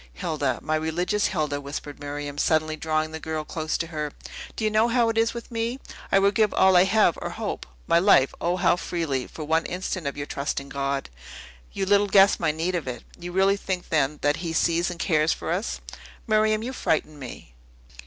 "Hilda, my religious Hilda," whispered Miriam, suddenly drawing the girl close to her, "do you know how it is with me? I would give all I have or hope my life, O how freely for one instant of your trust in God! You little guess my need of it. You really think, then, that He sees and cares for us?" "Miriam, you frighten me."